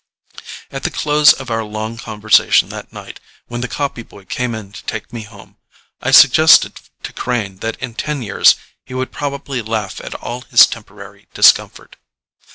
At the close of our long conversation that night, when the copy boy came in to take me home, I suggested to Crane that in ten years he would probably laugh at all his temporary discomfort.